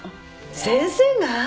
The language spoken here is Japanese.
先生が？